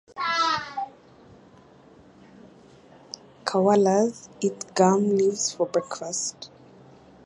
Koalas eat gum leaves for breakfast.